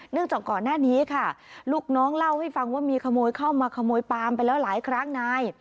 จากก่อนหน้านี้ค่ะลูกน้องเล่าให้ฟังว่ามีขโมยเข้ามาขโมยปามไปแล้วหลายครั้งนาย